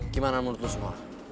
gimana menurut lo semua